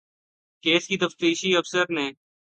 case کے تفتیشی افسر نے